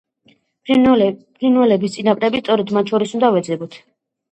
ფრინველების წინაპრები სწორედ მათ შორის უნდა ვეძებოთ.